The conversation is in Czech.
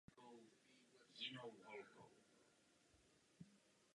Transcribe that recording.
Vedl bezpočet výzkumů v Československu a účastnil se také výzkumů v západní Evropě.